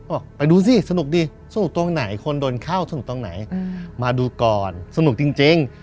ออกไปดูสิสนุกดีสนุกตรงไหนคนโดนเข้าสนุกตรงไหนมาดูก่อนสนุกจริง